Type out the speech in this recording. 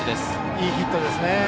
いいヒットですね。